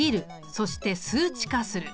そして数値化する。